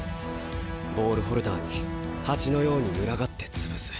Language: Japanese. ボールホルダーに蜂のように群がって潰す。